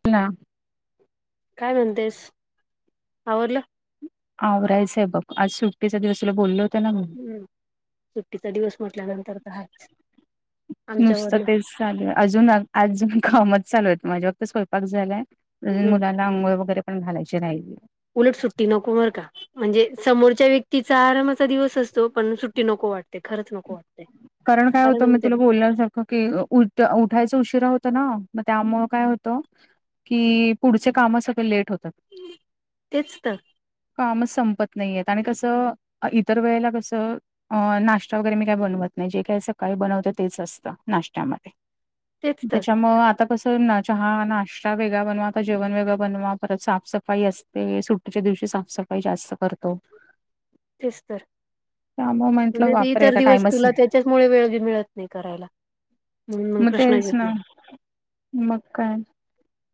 [unintelligible] काय म्हणतेस आवरलं? आवरायचं आहे बघ आज सुट्टीचा दिवस तुला बोलले होता ना मी. हम्म सुट्टीचा दिवस म्हटल्यानंतर तर हाच. नुसतं तेच चालू आहे अजून आजून कामच चालू आहे माझ्या फक्त स्वयपाक झालाय. अजून हम्म मुलाना अंघोळ वगैरे पण घालायची राहिली. उलट सुट्टी नको बर का. म्हणजे समोरच्या व्यक्तीचा आरामाचा दिवस असतो पण सुट्टी नको वाटते खरंच नको वाटते. कारण काय होत मी तुला बलायलो. क कि उ उठायच उशीरा होत ना मग त्यामुळं काय होतं कि पुढचे काम सगळं लेट होतात. तेच तर कामच संपत नाहीयेत आणि कसं इतर वेळेला कसं अ नाश्ता वगैरे मी काय बनवत जे काही सकाळी बनवत तेच असतं नाशत्यामध्ये तेच तर त्याच्यामु आता कसं ना चहा नाश्ता वेगळा बनवा आता जेवण वेगळ बनवा परत साफसफाई असते ते सुट्टीच्या दिवशी साफसफाई जास्त करतो तेच तर त्यामुळे म्हंटलं म्हणजे बापरे इतर आता दिवस टाइमच तुला नाही, त्या त्याचमुळे वेळ बी मिळत नाही करायला त्याच्यामुळं मग प्रश्नच तेच येत ना नाही मग काय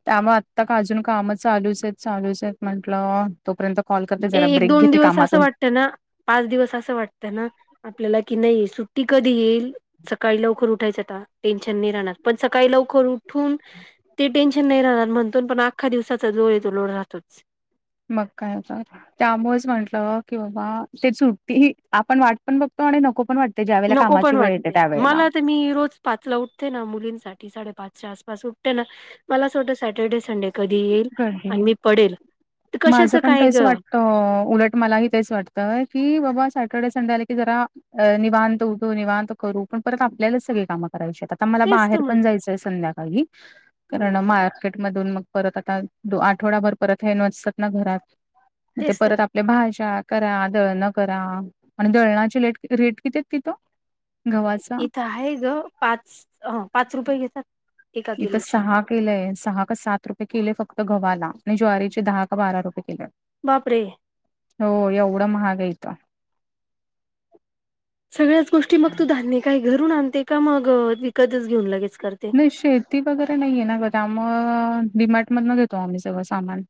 त्यामुळे आत्ता का अजून काम चालूच आहेत चालूच आहेत म्हंटलं तोपर्यंत कॉल करते ए जरा एक ब्रेक दोन घेते दिवस असं कामातून वाटतं ना पाच दिवस असं वाटतं ना आपल्याला की नाही सुट्टी कधी येईल सकाळी लवकर उठायचं आता टेन्शन नाही राहणार पण सकाळी लवकर उठून ते टेन्शन नाही राहणार म्हणतो पण आखा दिवसाचा जो येतो लोड राहतोच मग काय तर त्यामुळेच म्हंटलं की बाबा ते सुुट्ट आपण वाट पण बघतो आणि नको पण वाटत नको पण वाटते मला तर मी रोज पाच ला उठते ना मुलींसाठी साडेपाचच्या आसपास उठते ना मला असं वाटतं सॅटर्डे संडे कधी येईल कधी आणि मी पडेल तर कशाच माझं पण काय तेच ग उलट मलाही तेच वाटतय की बाबा सॅटर्डे संडे आले की जरा निवांत उठो निवांत करू पण परत आपल्यालाच सगळी कामं कराय शतात आता मला तेच तर बाहेर म्हण पण जायचंय संध्याकाळी कारण हं, मार्केटमधून मग परत आता आठवडाभर परत हे नसतात ना घरात ते तेच तर परत आपल्या भाज्या करा दळणं करा आणि दळणाची रेट रेट कितीत तिथो इथं आहे ग पाच ह पाच रुपये घेतात एका इथ किलोचे सहा केलंय सहा का सात रुपये केलेय फक्त गव्हाला आणि ज्वारीचे दहा का बारा रुपये केले बापरे हो एवढा महागा येतं सगळ्याच गोष्टी मग तू धान्य काही घरून आणते का मग विकतच घेऊन लगेच करते नाही शेती वगैरे नाहीये ना क म डडीमार्ट मध न घेतो आम्ही सगळं सामान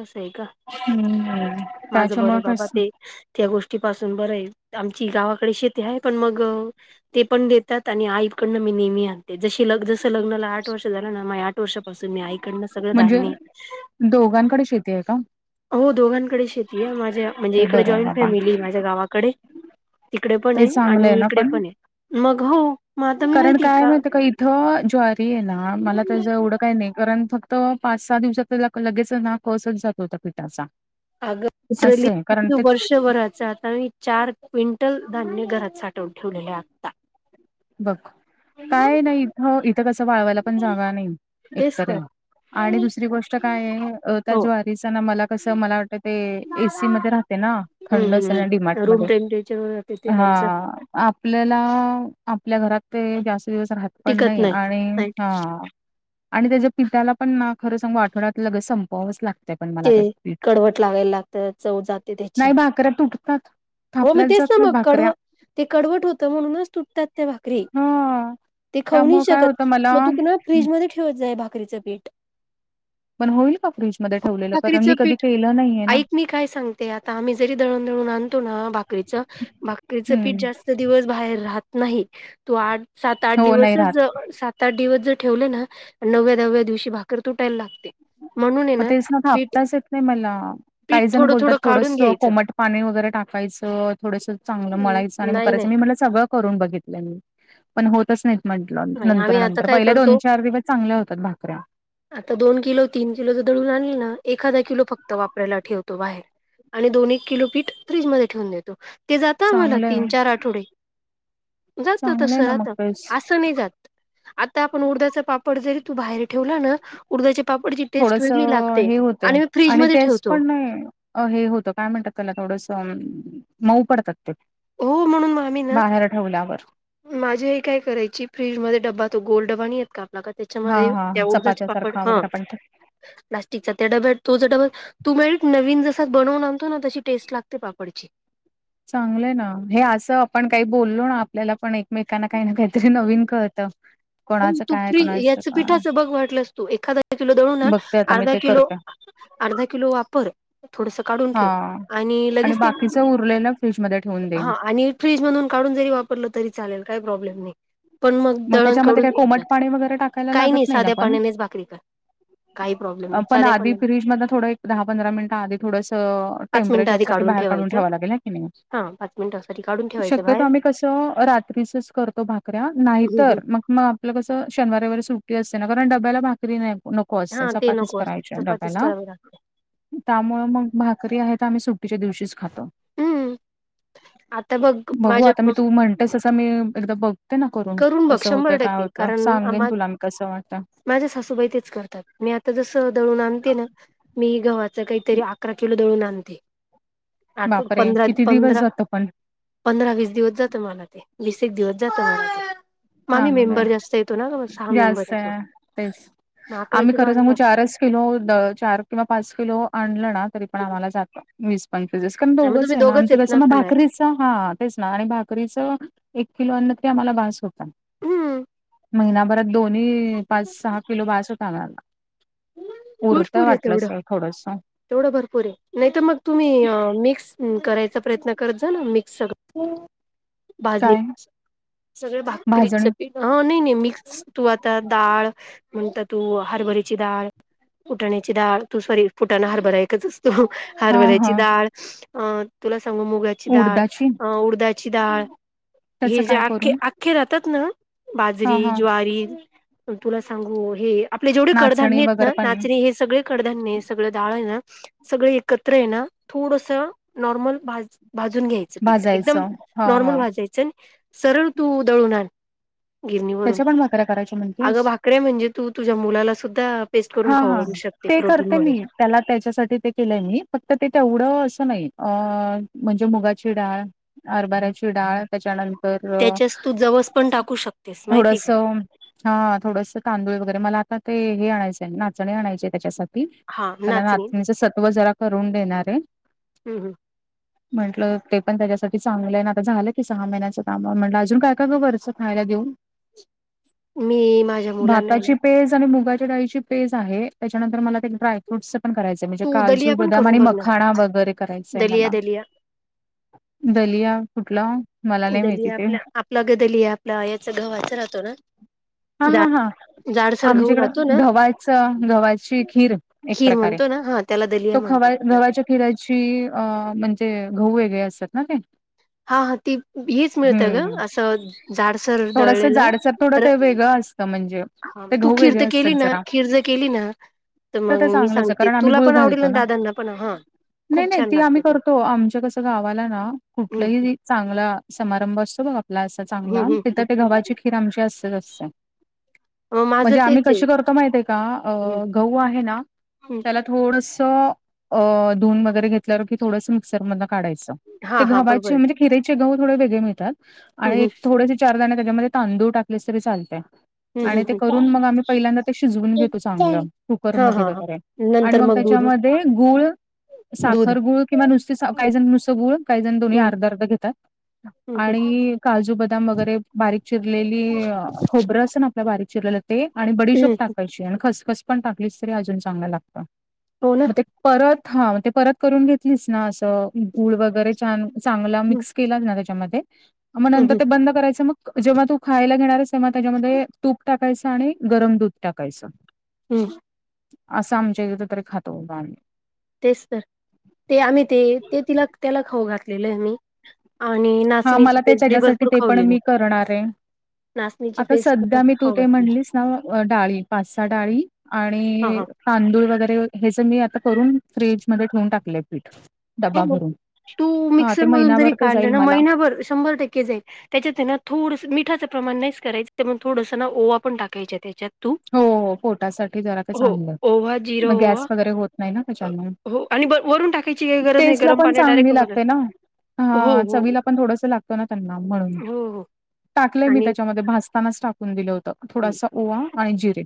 आस आहे का हम्म् माझं त्याच्या मुळे बरं बाबा कस ते त्या गोष्टी पाासून बर आहे आमची गावाकडे शेती आहे पण मग ते पण देतात आणि आईकडनं मी नेहमी आणते जशी ल जस लग्नाला आठ वर्ष झालं ना आठ वर्षापासून मी आई डन सगळं म्हणजे धान्य दोघांकडे शेती आहे का हो दोघांकडे शेती आहे माझ्या म्हणजे ते इकडे बरं आहे जॉईंट बाबा फॅमिली माझ्या गावाकडे तिकडे पण ते आहे चांगलं आणि ना इकडे पण आहे मग हो मग आता मी कारण माहिती काय माहि का इथं ज्वारी आहे ना मला त्याच एवढं काही नाही कारण फक्त तर पाच सहा दिवसात तर लगेच ना कसच जात होता पिठाचा अग वली असं आहे कारण ते वर्ष वराच आता म चार क्विंटल धान्य घरात साठवून ठेवलेले आता बघ काय नाही इथं इथं कसं वाळवायला पण जागा नाही तेच एकतर तर आहे आणि दुसरी गोष्ट काय आहे त्या हो ज्वारीचा ना मला कसं मला वाटतं ते एसी मध्ये राहते ना थंड हम्म असे ना हम्म डिमॅट रूम मध्ये टेम्परेचर वर राहते ते हा त्यांचं आपल्याला आपल्या घरात ते जास्त दिवस राहत पण टिकत नाही आणि नाही हा आणि त्याच्या पिित्याला पण ना खरं सांगू आठवड्यात लगच संपवावंच लागतं पण मला ते कडवट लागायला लागतं चव जाते त्याची नाही भाकऱ्या तुटतात हो मग थापल्याच तेच जात ना नाहीत मग कडव भाकऱ्या ते कडवट होतं म्हणूनच तुटतात त्या भा भाकरी हा ते खाऊन त्यामुळं काय होतं शकत मला मग तुक ना फ्रीज मध्ये ठेवत जाय भाकरीचं पीठ ह ठकरेच पीठ केलं नाहीये ना ऐक म काय सांगते आता आम्ही जरी दळण दळून आण भाकरीच भाकरीचं पीठ हं. जास्त दिवस बाहेर राहत नाही तो आठ सात आठ हो नाही राहत. दिवसच सात त्या दिवस जर ठेवले ना नवव्या दव्या दिवशी भाकर तुटायला लागते म्हणून आहे मग तेच ना पीठ थापताच येत नाही मला पीठ काही जण थोडं बोलतात थोडं काढून थोडस घ्यायचं. कोमट पाणी वगैरे टाकायचं थोडस चांगलं मळायचं आणि मग नाही नाही करायचं मी मला सगळं करून बघितलं मी पण होतच नाही म्हंटलं नाही आम्ही नंतर आता नंतर काय पहिले दोन करतो चार दिवस चांगल्या होतात भाकऱ्या आता दोन किलो तीन किलो तरं दळून आणलं ना एखादा किलो फक्त वापरायला ठेवतो बाहेर आणि दोन एक किलोपीठ फ्रीजमध्ये ठेवून देतो ते जातं आम्हाला चांगलं तीन आहे. चार आठवडे जात चांगलं आहे तसं ना मग राहतं तेच. आपण उ पापड जरी त बाहेर ठेव ना उडधच्या पापडची टेस्ट वेगळी थोडंसं लागते हे होतंय आणि मी फ्रीजमध्येध्ये तेच ठेवतो पण नाही अ हे होतं काय म्हणतात त्याला थोडंस मऊ पडतात ते हो म्हणून आम्ही ना बाहेर ठेवल्यावर. माझी आई काय करायची फ्रीजमध्येध्ये ड्बा तो गोलड्बा नाही आहेत का बग हां त्याच्यामध्ये हां. त्या उर्जाचे पाकड चपात्यासारखा हा वगैरे आपण प्लास्टिकचा त्या डब्यात तो ज डबल तू मा नवीन जसा बनवून आणतो ना तशी टेस्ट लागते पापडची चांगलंय ना हे असं आपण काही बोललो ना आपल्याला पण एकमेकांना काही ना काहीतरी नवीन कळतं [unintelligible] हो कोणाचं तू काय फ्री कोणाच याच काय पिठाचं बघ वाटलंस तू एखादा किलो दळून आण बघते आता मी अर्धा ते किलो करत अर्धा किलो वापर थोडस काढून हा ठेव आणि लगेच ते बाकीच उरलेलं फेश मध्ये ठेवून देईल हा आणि फ्रीज मधून काढून जरी वापरलं तरी चालेल काही प्रॉब्लेम नाही पण मग द का कोमट पाणी वगैरे टाकायला लागत नाही ना पण पाण्यानेच भाकरी कर काही प्रॉब्लेम नाही पण साध्या आधी पाण्याने फ्रीज मध थोडं दहा पंधरा मिनिटं आधी थोडस पाच मिनिटं आधी पेचर काढून काून ठ ठेवायचं. लाे हा पाच मिनिटासाठी काढून ठेवायचं शक्यत बाहेर क तो भाकऱ्या नाहीतर मग मग आपलं कस शनवार वर सुट्टी असते ना कारण डब्याला नको असते हा ते चपातीच नको करायची असत चपातीच डब्याला करावी लागते त्यामुळे मग भाकरी आहे तर आम्ही सुट्टीच्या दिवशीच खातो हम्म. आता बघ बघू माझ्या आता मी तू म्हणतेस अससं मी एकदा बघते ना करून बघ कसं शंभर होतं काय टक्के होतं कारण सांगेन आम्हा तुला आ कसं वाटत माझ्या सासूबाई तेच करतात मी आता जसं दळून आणते ना मी गव्हाचं काही तरी अकरा किलो दळून आणते आठव बापरे पंधरा किती दिवस पंधरा जातो पण पंधरा वीस दिवस जातं मला ते वीस एक दिवस जात मला ते मग आम्ही चांगलंय मेंबर जास्त येतो ना ग सहा मेंबर जास्त येतो आहे तेच मग अकरा आम्ही किलो खरं सांगू आणलं चारच किलो चार किंवा पाच किलो आणलं ना तरी पण आम्हाला जात वीस पंचस कारण मग दोघंच तुम्ही आहे ना आणि येत त्याच्या मग खाणार भाकरीच हा तेच ना आणि भाकरीच एक किलो अ तरी आम्हाला भास होता हम्म महिनाभरात दोन्ही पाच सहा किलो भास होतामणाला भरपूर आहे तेवढं थोडस तेवढं भरपूर आहे नाही तर मग तुम्ही मिक्स ह करायचा प्रयत्न करत जा ना मिक्स सग भाजणी काय सगळे भाकरीच भाजणी पी ह नाही नाही मिक्स तू आता डाळ म्हणत तू हरबरी डाळ फुटण्याची डाळ तू शरी फुटाण हरभरायकच असतो हा हरवऱ्याची हा डाळ अ तुला सांगू मुगा डाळ उडदाची अ उडदाची डाळ हे त्याचं जे काय करू? आखखे आख्खे राहतात ना हा बाजरी हा ज्वारी तुला सांगू हे आप जे नाचणी कडधान्येत ना वगैरे पण नाचणी हे सगळे कडधान्य हे सगळं डाळ ना सगळे एकत्र ये ना थोडस नॉर्मल भाज भाजून घ्यायच. ठ एकदम भाजायचं हा नॉर्मल हा भाजायचं आणि सरळ तू दळून आण गिरणीवरून त्याच्या पण भाकऱ्या करायच्या अगं म्हणतेस? भाकड्या म्हणजे तू तुझ्या मुलाला सुद्धा. पेस्ट करून हा हा खाऊ घऊ शकते ते प्रोटीन करते मी म्हणून त्याला त्याच्यासाठी ते केलंय मी फक्त ते तेवढं असं नाही अ म्हणजे मुगाची डाळ अरबाऱ्याची डाळ त्याच्यानंतर त्याच्याच तू जवस पण टाकू शकतेस माहितीये थोडस का? हा थोडसं तांदूळ वगैरे मला आता ते हे आणायचंय नाचणे आणायची आहे त्याच्यासाठी हां त्याला नाचणी नातणीच सत्व जरा करून देणार आहे हं, हं. म्हटलं ते पण त्याच्यासाठी चांगलं ना आता झालं की सहा महिन्याच कामा म्हटलं अजून काय का गं वरचं खायला देऊन. [inaudible] मी माझ्या मुलांना आहे ना भाताची पेज आणि मुगाच्या डाळीची. पेज आहे त्याच्यानंतर मला ते ड्रायफ्रूट पण करायचं म्हणजे तू काजू दलिया पण बदाम करून आणि बघ ना. मखाणा वगैरे करायचा आहे दलिया, मला. दलिया. दलिया कुठला मला नाही दली माहिती ते आपल्या आपलं ग दली आहे आपला याच गव्हाच राहतो ना. हा जा हा हा जाडसर गहू आमच्याकड राहतो ना धवयच व्हाची खीर एक खीर प्रकारे. म्हणतो ना हां त्याला दलिया तो खवा म्हणतात. आपल्याकडे. गव्हाच्या खिराची अ म्हणजे घह वेगळे असतात ना ते. हा हा ती हीच मिळत हम्म ग हम्म. असं झाडसर थोडस दळलेलं. जाडसर थोडं ते असतं म्हणजे. हा ते तू गहू वेगळे खिर्द असतात केली ना जरा. खिर्ज केली ना तर मग ते मी चांगलंच आहे सांगते कारण आम्ही तुला गुळ पण आवडेल घालतो ना दादांना पण हा. नाही खूप नाही छान ती आम्ही लागते ते करतो आमच्या कसं गावाला ना हम्म कुठलंही. चांगला समारंभ असतो बघ आपला असा हम्म चांगला तिथं हम्म ते गव्हाची खीर आमची असतेच असते हम्म माझं म्हणजे आम्ही तेच आहे कशी करतो माहिती आहे हम्म का गह आहे ना हम्म त्याला थोडसं अ धुून वगैरे घेतल्यावर की थोडस मिक्सर मध काढायचं ते हा हा गव्हा बरोबर आहे म्हणजेिरचे ग थो वेगळे मिळतात हम्म आणि थ चार जण त्याच्यामध्ये तांदूळ टाकलेस तरी चालतय. हम्म आणि हम्म ते हम्म करून मग आम्ही पहिल्यांदा ते शिजवून घेतो चांगलं हा कुकरमध्ये हा हा वगैरे आणि नंतर मग दूध त्याच्यामध्ये गुळ दूध साखर गुळ किंवा नुसती काही जण नुसं गूळ काही जण दोन्ही हम्म अर्ध अर्ध घेतात. हम्म आणि काजू बदाम वगैरे बारीक चिरलेली खोबरं असं ना आपल्या बारीक चिरलेलं ते आणि बडीशोप हम्म टाकायची आणि खसखस पण टाकलीच तरी अजून चांगला लागते. हो ना परत हा ते परत करून घेतलीच ना असं गुळ वगैरे. छ चांगला हम्म मिक्स केला ना त्याच्यामध्ये मग नंतर हम्म ते बंद करायच मग. जेव्हा तू खायला घेणारस तेव्हा त्याच्यामध्ये तूप टाकायचं आणि गरम दूध टाकायचं. हम् असं आमच्या इथ तरी खात होत आम्ही. तेच तर ते आम्ही ते ते तिला त्याला खाऊ घातलेलं आहे म्ही हा मला ते त्याच्यासाठी भरपूर ते खावली पण मी करणार आहे नाचणीची आता पेस्ट सध्या मी भरपूर तू खाऊ ते घातली म्हणलीस ना डाळी पाचसा डाळी हा आणि. हा तांदूळ वगैरे हेच मी आता करून फ्रीजमध्येध्ये ठेवून टाकलेय पीठ. हो डबा मग भरून तू हां मिक्सर ते मधून जरी महिनाभर ते काढलं जाईल ना मला महिनाभर शंभर टक्के जाई. त्याच्यातना थोडस मिठाचं प्रमाण नाहीच करायचं त्या थोडसं ना ओवा पण टाकायच्या त्याच्यात. तू. हो हो पोटासाठी जरा ते हो. चांगलं ओवा, जिरा मग ओवा गॅस वगैरे होत नाही ना अ, त्याच्याना. हो आणि वरून टाकायची काही गरज नाही गरम पण पाण्या डायरेक्ट चांगली बनवून लागते ना. हा चवीला पण थोडस लागतो ना त्यांना म्हणून हो, हो. टाकलंय मी आणि त्याच्या भासतानाच टाकून दिलं होत हं. थोडसा ओवा आणि जिरे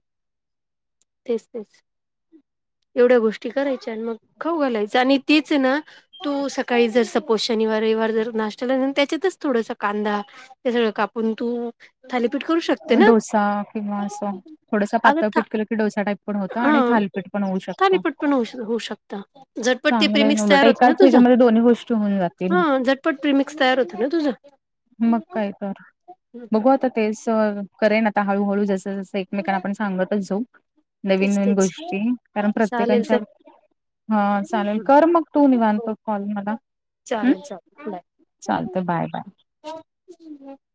तेच तेच एवढ्या गोष्टी करायच्या आणि मग खाऊ घालायचं आणि तेच ना तु सकाळी जर सपोज शनिवार रविवार जर नाश्तेला त्याच्यातच थोडास कांदा ते सगळं कापून तू थालीपीठ करू शकते ना. डोसा किंवा असं थोडस अगं पातळ था पिट केलं की डोसा टाईप पण होता आणि हां. थालपीठ पण होऊ शकत थालीपीठ पण होऊ होऊ शकतं. झटपट ते चांगलं प्रिमिक्स नलट तयार होतं एकाच त्याच्यामध्ये दोन्ही गोष्टी होऊ जातील झटपटपीमिक्स तयार होतं ना तुझं मग काय तर बघू आता तेच करेन आता हळूहळू जस जसं एकमेकांना आपण सांगतच जाऊ नवीन तेच नवीन तेच गोष्टी कारण चालेल प्रत्येकच्या चल हा चालेल कर मग तू निवनतो कॉल मला हम् चालेल चालेल बाय. चालत बाय बाय ह